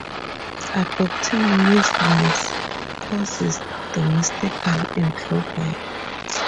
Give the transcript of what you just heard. Adopting Muslims' causes domestically and globally.